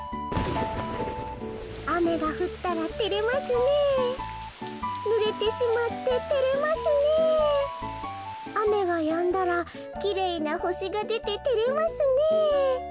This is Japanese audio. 「あめがふったらてれますねえぬれてしまっててれますねえあめがやんだらきれいなほしがでててれますねえ」。